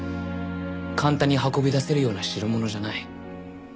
簡単に運び出せるような代物じゃない。